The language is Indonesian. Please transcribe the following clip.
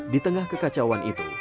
di tengah kekacauan itu